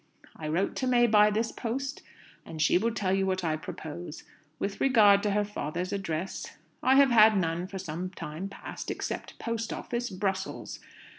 I wrote to May by this post, and she will tell you what I propose. With regard to her father's address, I have had none for some time past, except, 'Post Office, Brussels.'